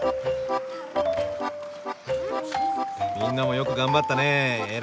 みんなもよく頑張ったねえ。